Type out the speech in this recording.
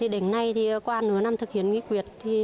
định nay qua nửa năm thực hiện nghị quyệt